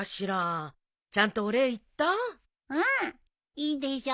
いいでしょ。